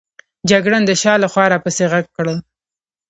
جګړن د شا له خوا را پسې ږغ کړل.